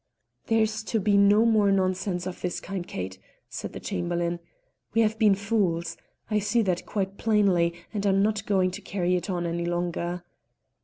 "There's to be no more nonsense of this kind, Kate," said the Chamberlain. "We have been fools I see that quite plainly and I'm not going to carry it on any longer."